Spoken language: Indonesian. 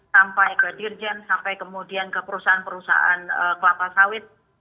sampai ke dirjen sampai kemudian ke perusahaan perusahaan kelapa sawit